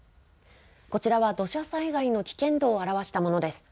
こちらは土砂災害の危険度を表したものです。